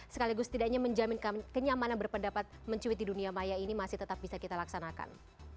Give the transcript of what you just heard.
sekaligus tidak hanya menjamin kenyamanan berpendapat mencuit di dunia maya ini masih tetap bisa kita laksanakan